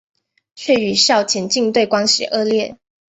却与校田径队关系恶劣。